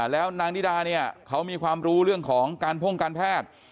แล้วนางนิดาเนี่ยเขามีความรู้เรื่องของการพ่งการแพทย์